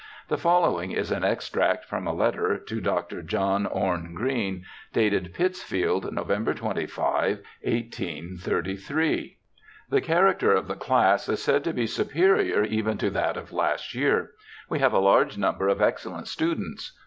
The following is an extract from a letter to Dr. John Orne Green, dated Pittsfield, November 25, 1833: ' The character of the class is said to be superior even to that of last 3'ear. We have a large number of excellent students.